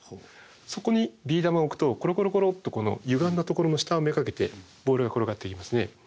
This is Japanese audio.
そこにビー玉を置くとコロコロコロッとこのゆがんだところの下を目がけてボールが転がっていきますね。